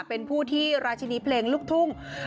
เป็นผู้ที่ราชินีเพลงลูกทุ่ง